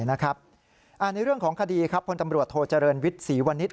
ในเรื่องของคดีครับพลตำรวจโทเจริญวิทย์ศรีวณิชย